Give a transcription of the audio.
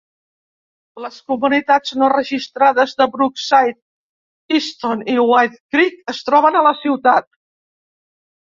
Les comunitats no registrades de Brookside, Easton i White Creek es troben a la ciutat.